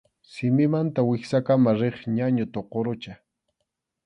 Simimanta wiksakama riq ñañu tuqurucha.